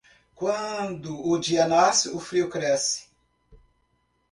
Quando o dia nasce, o frio cresce.